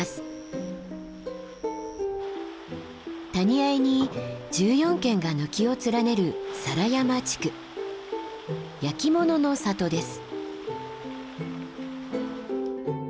谷あいに１４軒が軒を連ねる焼き物の里です。